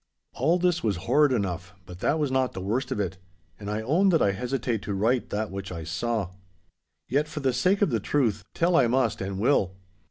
All this was horrid enough, but that was not the worst of it, and I own that I hesitate to write that which I saw. Yet, for the sake of the truth, tell I must and will.